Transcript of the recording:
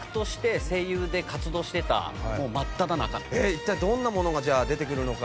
一体どんなものが出てくるのか。